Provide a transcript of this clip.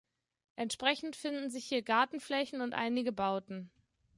Entsprechend finden sich hier Gartenflächen und einige Bauten.